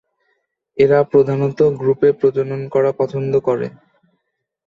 এরা প্রধানত গ্রুপে প্রজনন করা পছন্দ করে।